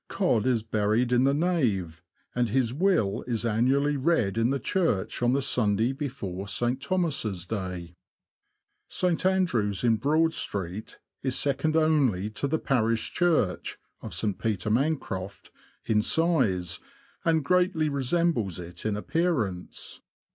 Codd is buried in the nave, and his will is annually read in the church on the Sunday before St. Thomas's Day. St. Andrew's, in Broad Street, is second only to the parish church (St. Peter Mancroft) in size, and greatly resembles it in appearance.